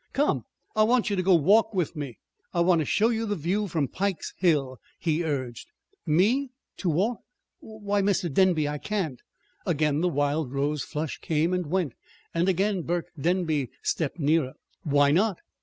"Come, I want you to go to walk with me. I want to show you the view from Pike's Hill," he urged. "Me? To walk? Why, Mr. Denby, I can't!" Again the wild rose flush came and went and again Burke Denby stepped nearer. "Why not?"